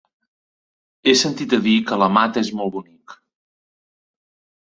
He sentit a dir que la Mata és molt bonic.